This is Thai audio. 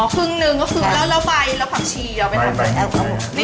อ๋อครึ่งหนึ่งก็คือแล้วไปแล้วผักชีเอาไป